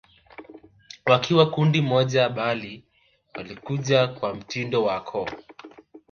Wakiwa kundi moja bali walikuja kwa mtindo wa koo